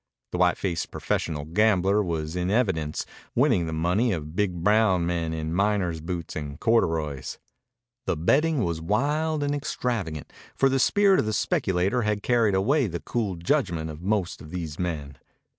The white faced professional gambler was in evidence, winning the money of big brown men in miner's boots and corduroys. The betting was wild and extravagant, for the spirit of the speculator had carried away the cool judgment of most of these men.